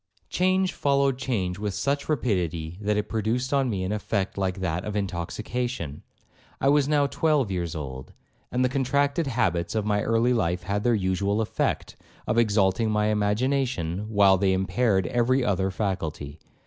'Change followed change with such rapidity, that it produced on me an effect like that of intoxication. I was now twelve years old, and the contracted habits of my early life had had their usual effect, of exalting my imagination, while they impaired every other faculty.